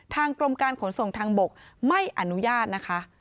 กรมการขนส่งทางบกไม่อนุญาตนะคะ